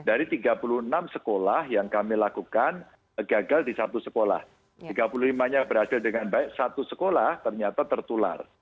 dari tiga puluh enam sekolah yang kami lakukan gagal di satu sekolah tiga puluh lima nya berhasil dengan baik satu sekolah ternyata tertular